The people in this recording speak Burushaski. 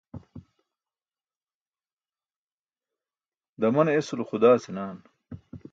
Damane esulo xudaa senaaan.